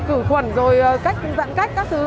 cứ khuẩn rồi cách dặn cách các thứ